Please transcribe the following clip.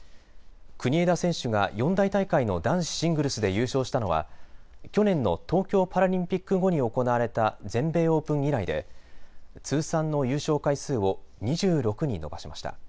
国枝選手が四大大会の男子シングルスで優勝したのは去年の東京パラリンピック後に行われた全米オープン以来で通算の優勝回数を２６に伸ばしました。